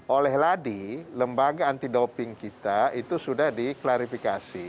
oleh ladi lembaga anti doping kita itu sudah diklarifikasi